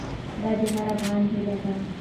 دا د هر افغان هیله ده.